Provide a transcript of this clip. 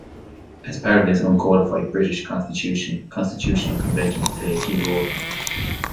As part of this uncodified British constitution, constitutional conventions play a key role.